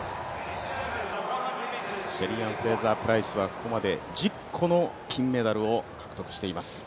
シェリーアン・フレイザープライスはここまで１０個の金メダルを獲得しています。